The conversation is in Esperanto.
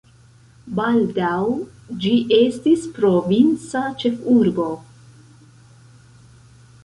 Baldaŭ ĝi estis provinca ĉefurbo.